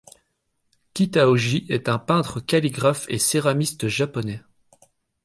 Kitaoji est un peintre, calligraphe et céramiste japonais.